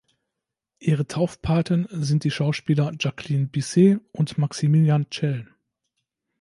Ihre Taufpaten sind die Schauspieler Jacqueline Bisset und Maximilian Schell.